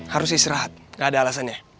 harus istirahat gak ada alasannya